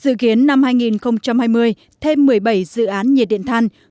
dự kiến năm hai nghìn hai mươi thêm một mươi bảy dự án nhiệt điện than